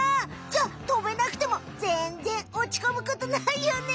じゃあとべなくてもぜんぜんおちこむことないよね！